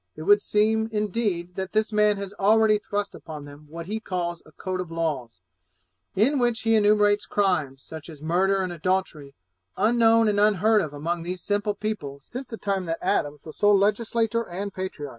It would seem, indeed, that this man has already thrust upon them what he calls a code of laws, in which he enumerates crimes, such as murder and adultery, unknown and unheard of among these simple people since the time that Adams was sole legislator and patriarch.